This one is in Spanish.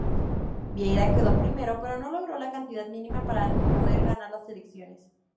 Vieira quedó primero, pero no logró la cantidad mínima para poder ganar las elecciones.